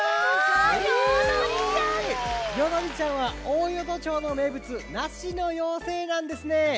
どりちゃんは大淀町のめいぶつなしのようせいなんですね。